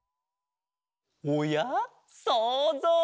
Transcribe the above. おやそうぞう！